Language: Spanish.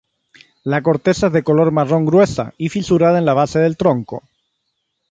La corteza es de color marrón, gruesa y fisurada en la base del tronco.